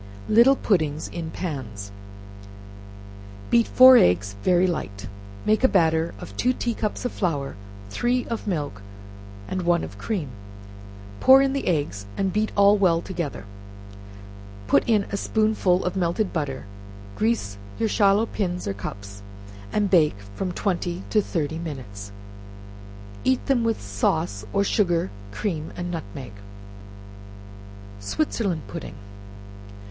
Little Puddings in Pans. Beat four eggs very light; make a batter of two tea cups of flour, three of milk, and one of cream; pour in the eggs, and beat all well together; put in a spoonful of melted butter; grease your shallow pins or cups, and bake from twenty to thirty minutes; eat them with sauce, or sugar, cream and nutmeg. Switzerland Pudding.